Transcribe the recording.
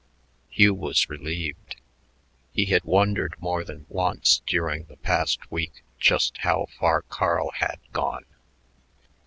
Hugh was relieved. He had wondered more than once during the past week "just how far Carl had gone."